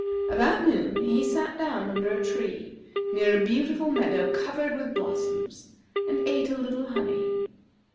About noon he sat down under a tree, near a beautiful meadow covered with blossoms, and ate a little honey.